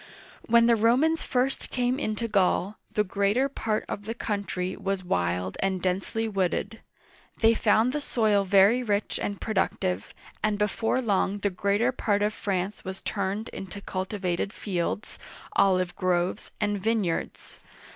When the Romans first came into Gaul, the greater part of the country was wild and densely wooded. They found the soil very rich and productive, and before long the greater part of France was turned into cultivated fields, uigiTizea Dy vjiOOQlC ROMANS AND GAULS 33 olive groves, and vineyards.